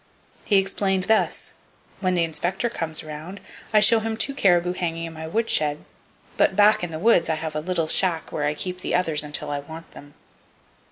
He explained thus: "When the inspector comes around, I show him two caribou hanging in my woodshed, but back in the woods I have a little shack where I keep the others until I want them."